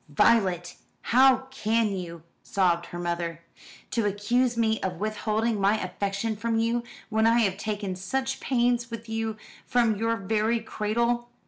"Violet, how can you?" sobbed her mother. "To accuse me of withholding my affection from you, when I have taken such pains with you from your very cradle!